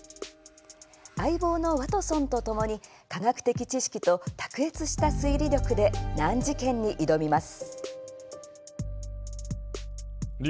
相棒のワトソンとともに科学的知識と卓越した推理力で難事件に挑みます。